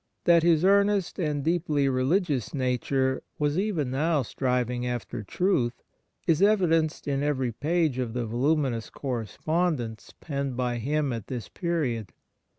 That his earnest and deeply religious nature was even now striving after truth is evidenced in every page of the voluminous correspondence penned by him at this period.